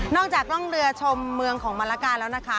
จากร่องเรือชมเมืองของมันละกาแล้วนะคะ